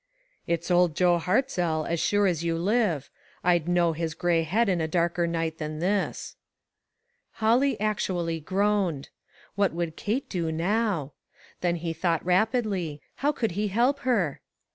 " It's old Joe Hartzell, as sure as you live. I'd know his gray head in a darker night than this." Holly actually groaned. What would Ksite do now ? Then he thought rapidly. How could he help her?